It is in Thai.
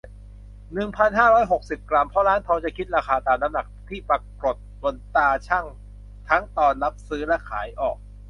หนึ่งพันห้าร้อยสิบหก กรัม เพราะร้านทองจะคิดราคาตามน้ำหนักที่ปรากฏบนตาชั่งทั้งตอนรับซื้อและขายออก